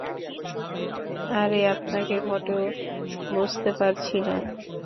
আরে, আপনাকে মোটেও বুঝতে পারছি না।